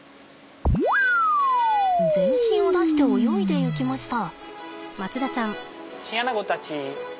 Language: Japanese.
全身を出して泳いでいきました。